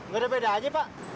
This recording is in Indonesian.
gak ada bedanya pak